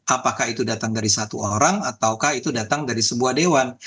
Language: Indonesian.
apakah itu datang dari satu orang ataukah itu datang dari sebuah dewan